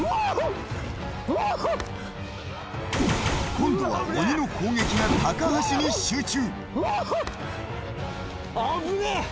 今度は鬼の攻撃が高橋に集中。